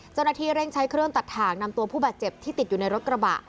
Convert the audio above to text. เจ้าหน้าที่เร่งใช้เครื่องตัดถ่างนำตัวผู้บาดเจ็บที่ติดอยู่ในรถกระบะ